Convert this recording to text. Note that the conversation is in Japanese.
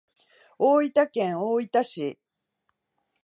大分県大分市